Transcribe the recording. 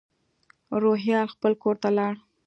روهیال خپل کور ته لاړ.